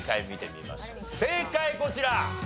正解こちら！